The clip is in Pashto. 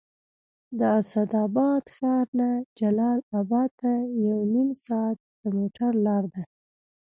د اسداباد ښار نه جلال اباد ته یو نیم ساعت د موټر لاره ده